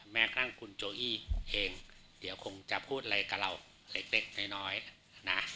แม่กล้างคุณโจอี้เองเดี๋ยวคงจะพูดอะไรกับเราเล็กเล็กน้อยน้อยนะ